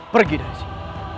pergi dari sini